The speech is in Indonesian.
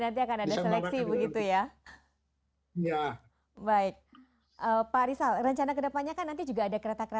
nanti akan ada seleksi begitu ya ya baik paris al rancana kedepannya kan nanti juga ada kereta